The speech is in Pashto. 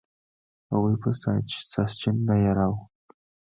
هغوی به ساسچن نه یراو.